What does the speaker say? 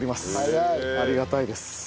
ありがたいです。